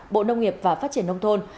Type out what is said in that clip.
bộ nông nghiệp và phát triển nông thôn